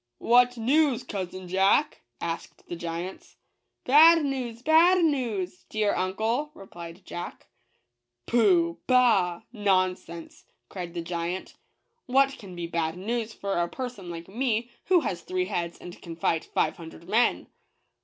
"What news, cousin Jack?' asked the giant. " Bad news ! Bad news! — dear uncle," re plied Jack. " Pooh !— bah !— nonsense," cried the giant; "what can be bad news for a person like me, who has three heads and can fight five hun dred men?"